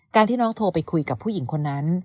ที่น้องโทรไปคุยกับผู้หญิงคนนั้น